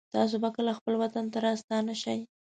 تاسو به کله خپل وطن ته راستانه شئ